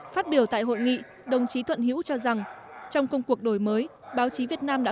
phát biểu tại hội nghị đồng chí thuận hữu cho rằng trong công cuộc đổi mới báo chí việt nam đã